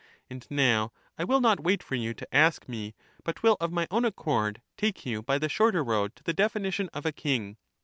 And now, I will not wait for you to ask me, but will of my own accord take you by the shorter road to the definition of a king.